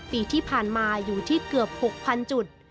ปีที่ผ่านมาอยู่ที่เกือบ๖๐๐๐จุด